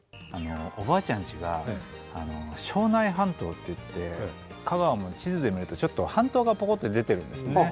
おばあちゃんちが荘内半島っていって香川も地図で見るとちょっと半島がぽこって出てるんですね。